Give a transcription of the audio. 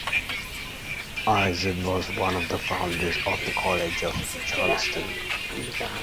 Izard was one of the founders of the College of Charleston.